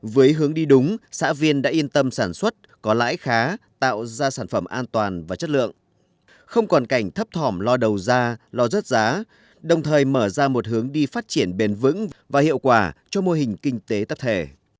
với hướng đi đúng xã viên đã yên tâm sản xuất có lãi khá tạo ra sản phẩm an toàn và chất lượng không còn cảnh thấp thỏm lo đầu ra lo rớt giá đồng thời mở ra một hướng đi phát triển bền vững và hiệu quả cho mô hình kinh tế tập thể